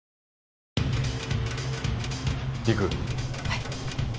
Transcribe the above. はい。